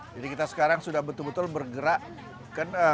jadi kita sekarang sudah betul betul bergerak